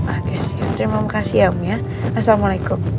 oke siap terima kasih om ya assalamualaikum